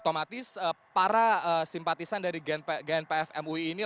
otomatis para simpatisan dari gnpf mui ini